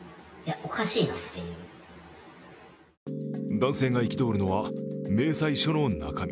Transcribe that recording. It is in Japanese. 男性が憤るのは明細書の中身。